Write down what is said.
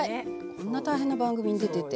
こんな大変な番組に出てて。